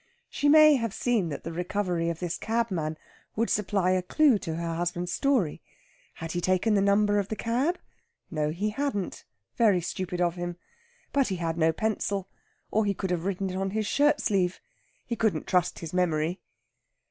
She may have seen that the recovery of this cabman would supply a clue to her husband's story. Had he taken the number of the cab? No, he hadn't. Very stupid of him! But he had no pencil, or he could have written it on his shirt sleeve. He couldn't trust his memory.